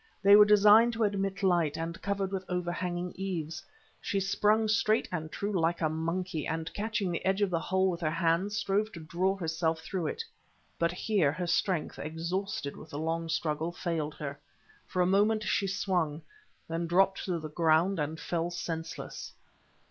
They were designed to admit light, and covered with overhanging eaves. She sprung straight and true like a monkey, and, catching the edge of the hole with her hands, strove to draw herself through it. But here her strength, exhausted with the long struggle, failed her. For a moment she swung, then dropped to the ground and fell senseless.